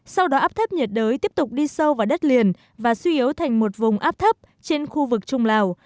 sau đó áp thấp nhiệt đới tiếp tục đi sâu vào đất liền và suy yếu thành một vùng áp thấp trên khu vực trung lào